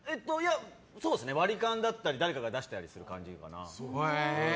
割り勘だったり誰かが出したりする感じかな。